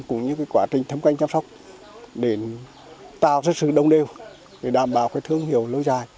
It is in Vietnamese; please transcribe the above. cũng như quá trình thấm canh chăm sóc để tạo ra sự đồng đều đảm bảo thương hiệu lối dài